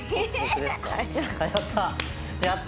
やった。